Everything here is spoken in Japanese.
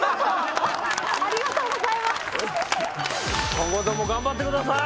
今後とも頑張ってください！